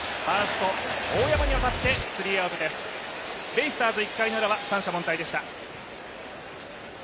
ベイスターズ、１回のウラは三者凡退でした。